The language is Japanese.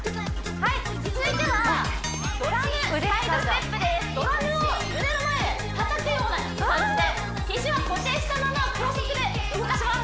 はい続いてはドラムサイドステップですドラムを胸の前叩くような感じで肘は固定したまま高速で動かします